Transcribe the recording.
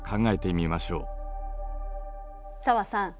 紗和さん